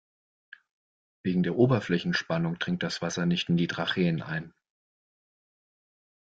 Wegen der Oberflächenspannung dringt das Wasser nicht in die Tracheen ein.